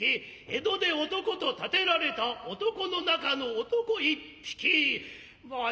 江戸で男と立てられた男の中の男一匹マア